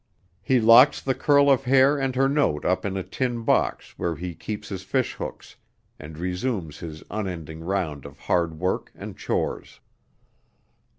He locks the curl of hair and her note up in a tin box where he keeps his fish hooks, and resumes his unending round of hard work and chores.